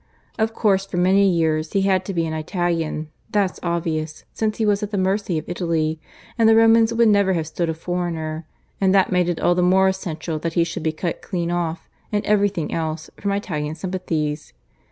Of course, for many years he had to be an Italian that's obvious, since he was at the mercy of Italy, and the Romans would never have stood a foreigner; and that made it all the more essential that he should be cut clean off, in everything else, from Italian sympathies.